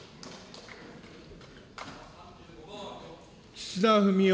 岸田文雄